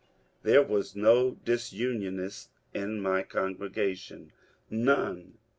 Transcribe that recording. There was no disunionist in my congregation, none in Con ^.